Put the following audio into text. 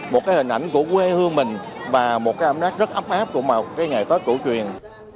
một cái hình ảnh của quê hương mình và một cái ấm nát rất ấp áp của một cái ngày tết cổ truyền